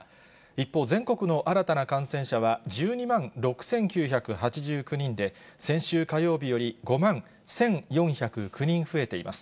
一方、全国の新たな感染者は１２万６９８９人で、先週火曜日より５万１４０９人増えています。